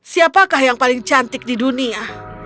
siapakah yang paling cantik di dunia